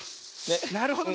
なるほどね。